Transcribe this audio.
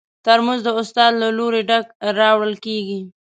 ترموز د استاد له لوري ډک راوړل کېږي.